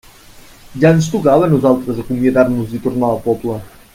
Ja ens tocava a nosaltres acomiadar-nos i tornar al poble.